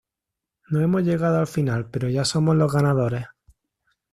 No hemos llegado al final pero ya somos los ganadores...""